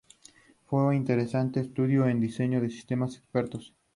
Hasta el momento ha lanzado un sencillo y ha participado en un compilado internacional.